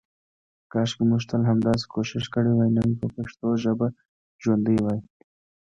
کاشکې مونږ تل همداسې کوشش کړی وای نن به پښتو ژابه ژوندی وی.